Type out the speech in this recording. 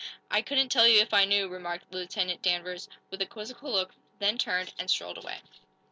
"I couldn't tell you if I knew," remarked Lieutenant Danvers, with a quizzical look, then turned and strolled away.